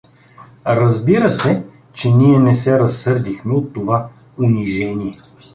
Разбира се, че ние не се разсърдихме от това унижение.